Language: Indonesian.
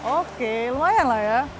oke lumayan lah ya